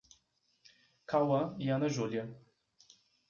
Cauã e Ana Julia